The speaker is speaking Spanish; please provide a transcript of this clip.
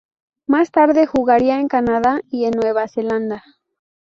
Más tarde, jugaría en Canadá y en Nueva Zelanda.